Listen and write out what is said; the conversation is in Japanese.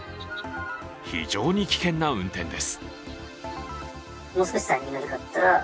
非常に危険な運転です。